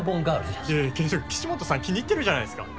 いやいや岸本さん気に入ってるじゃないっすか。